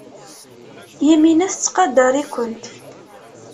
Yamina tettqadar-ikent.